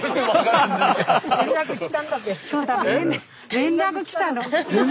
連絡来たの？